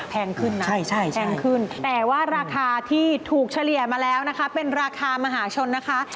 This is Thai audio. แพงขึ้นนะแพงขึ้นแต่ว่าราคาที่ถูกเฉลี่ยมาแล้วนะคะเป็นราคามหาชนนะคะ